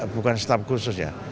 bukan staf khusus ya